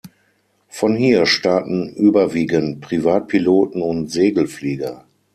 Von hier starten überwiegend Privatpiloten und Segelflieger.